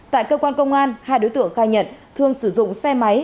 tại cơ quan công an hai đối tượng khai nhận thường sử dụng xe máy